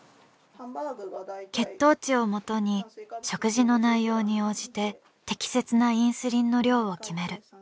血糖値をもとに食事の内容に応じて適切なインスリンの量を決める。